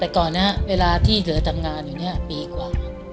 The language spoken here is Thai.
แต่ก่อนนี้เวลาที่เหลือทำงานอยู่เนี่ยปีกว่า